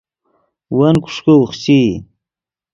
ون کوݰکے اوخچئی